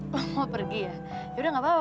wah mau pergi ya yaudah gak apa apa